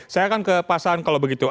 saya akan ke pasangan kalau begitu